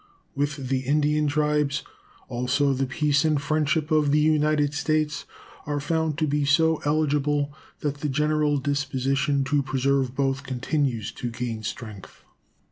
With the Indian tribes also the peace and friendship of the United States are found to be so eligible that the general disposition to preserve both continues to gain strength.